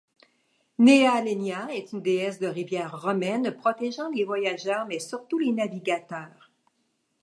Nehalennia est une déesse de rivière romaine, protégeant les voyageurs mais surtout les navigateurs.